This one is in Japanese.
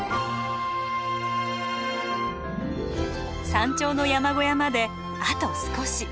山頂の山小屋まであと少し。